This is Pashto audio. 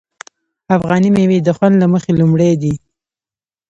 افغاني میوې د خوند له مخې لومړی دي.